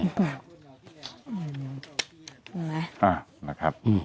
เอาละนะครับ